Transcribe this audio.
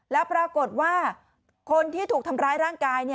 แล้วปรากฏว่าคนที่ถูกทำร้ายร่างกาย